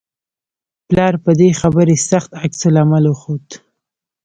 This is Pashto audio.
پلار په دې خبرې سخت عکس العمل وښود